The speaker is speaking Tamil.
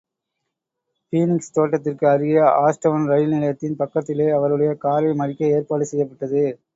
பீனிக்ஸ் தோட்டதிற்கு அருகே ஆஷ்டவுன் ரயில் நிலையத்தின் பக்கத்திலே அவருடைய காரை மறிக்க ஏற்பாடு செய்யப்பட்டது.